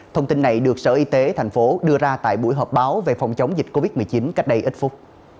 thông tin này được sở y tế thành phố đưa ra tại buổi họp báo về phòng chống dịch covid một mươi chín cách đây ít phút